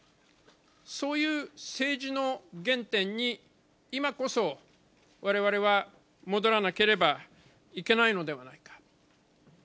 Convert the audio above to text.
そういう政治の原点に、今こそわれわれは戻らなければいけないのではないか。